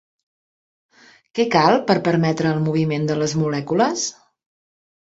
Què cal per permetre el moviment de les molècules?